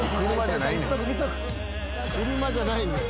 車じゃないんです。